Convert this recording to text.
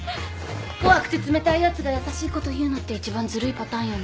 怖くて冷たいやつが優しいこと言うのって一番ずるいパターンよね。